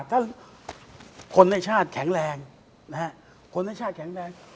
ถ้าคนในชาติแข็งแรงนะฮะคนในชาติแข็งแรง